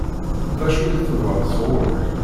D acu i tebɣa sɣur-k?